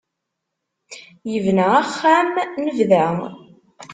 Yebna axxam n bda.